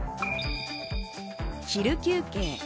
昼休憩。